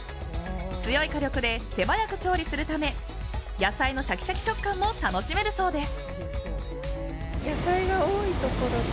強い火力で手早く調理するため野菜のシャキシャキ食感も楽しめるそうです。